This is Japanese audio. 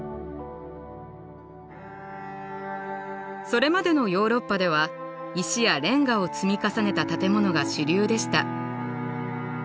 それまでのヨーロッパでは石やレンガを積み重ねた建物が主流でした。